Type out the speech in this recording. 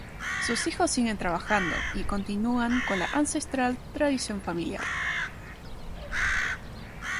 Sus hijos siguen trabajando y continúan con la ancestral tradición familiar.